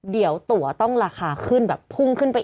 เดียวตัวต้องราคาขึ้นแบบ